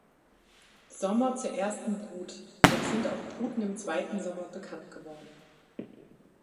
Sommer zur ersten Brut, doch sind auch Bruten im zweiten Sommer bekannt geworden.